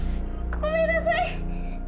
ごめんなさい！